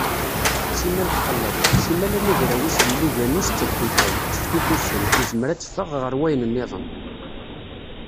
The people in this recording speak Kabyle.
Simmal txelleḍ, simmal anagraw-is d yilugan-is ttehtutan, tteftutusen, yezmer ad teffeɣ ɣer wayen-nniḍen.